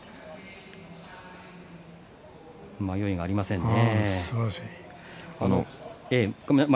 迷いがありませんね。